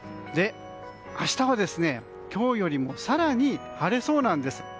明日は今日よりも更に晴れそうなんです。